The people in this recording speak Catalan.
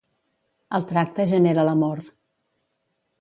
El tracte genera l'amor.